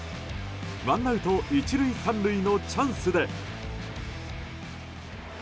ワンアウト、１塁３塁のチャンスで。